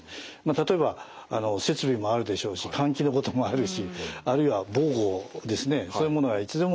例えば設備もあるでしょうし換気のこともあるしあるいは防護ですねそういうものがいつでも確保されてるように。